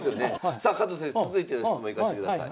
さあ加藤先生続いての質問いかしてください。